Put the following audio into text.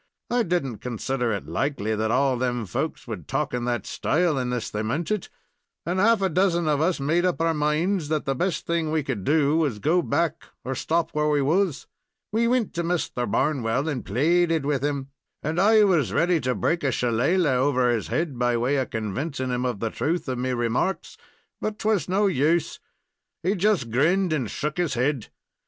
I did n't consider it likely that all of them folks would talk in that style unless they meant it, and half a dozen of us made up our minds that the best thing we could do was to go back, or stop where we was. We wint to Misther Barnwell and plaided with him, and I was ready to break a shillalah over his head by way of convincin' him of the truth of me remarks, but it was no use. He just grinned and shook his head.